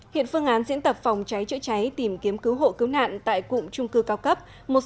hiện phương án diễn tập phòng cháy chữa cháy tìm kiếm cứu hộ cứu nạn tại cụm trung cư cao cấp